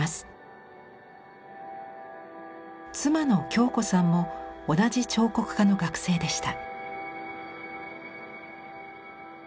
妻の恭子さんも同じ彫刻科の学生でした。